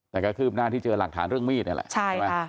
แต่ก็คืบหน้าที่เจอหลักฐานเรื่องมีดนี่แหละใช่ไหม